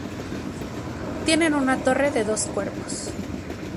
Tiene una torre de dos cuerpos.